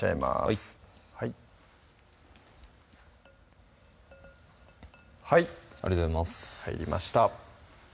はいはいはいありがとうございます入りました